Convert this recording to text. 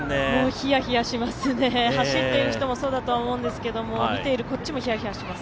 ひやひやしますね、走っている人もそうだとは思うんですけど見ているこっちもひやひやします。